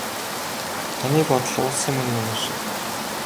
Таны бодол уулсын минь нөмөр шиг.